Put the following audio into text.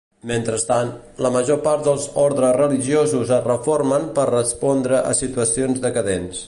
Mentrestant, la major part dels ordes religiosos es reformen per respondre a situacions decadents.